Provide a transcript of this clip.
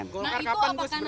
nah itu apa kanan